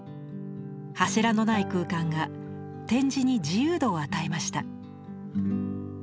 柱のない空間が展示に自由度を与えました。